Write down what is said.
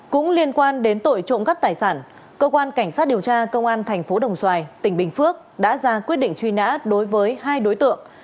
cũng liên quan đến tội trộm cắp tài sản cơ quan cảnh sát điều tra công an thành phố đồng xoài tỉnh bình phước đã ra quyết định truy nã đối với hai đối tượng